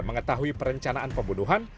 mengetahui perencanaan pembunuhan